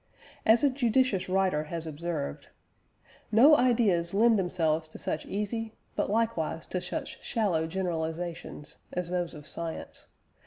As a judicious writer has observed: "No ideas lend themselves to such easy, but likewise to such shallow generalisations as those of science.